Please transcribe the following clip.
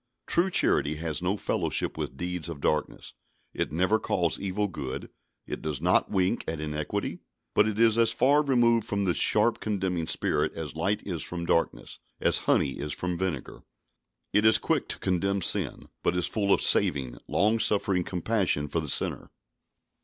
True charity has no fellowship with deeds of darkness. It never calls evil good, it does not wink at iniquity, but it is as far removed from this sharp, condemning spirit as light is from darkness, as honey is from vinegar. It is quick to condemn sin, but is full of saving, long suffering compassion for the sinner.